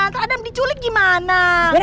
ntar adam diculik gimana